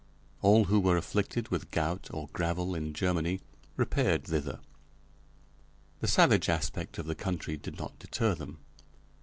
All who were afflicted with gout or gravel in Germany repaired thither; the savage aspect of the country did not deter them.